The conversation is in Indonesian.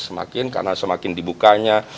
semakin karena semakin dibukanya